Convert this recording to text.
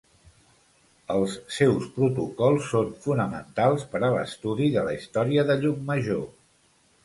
Els seus protocols són fonamentals per a l'estudi de la història de Llucmajor.